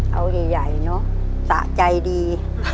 เอาใหญ่เนอะสะใจดี